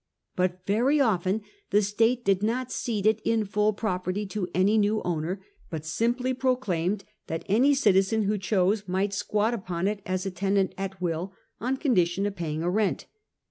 But very often the state did not cede it in full property to any new owner, but simply proclaimed that any citizen who chose might " squat upon it as a tenant at will, on condition of paying a rent.